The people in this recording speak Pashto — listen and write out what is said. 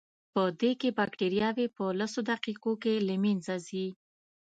پدې کې بکټریاوې په لسو دقیقو کې له منځه ځي.